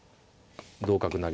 同角成。